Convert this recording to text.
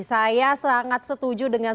saya sangat setuju dengan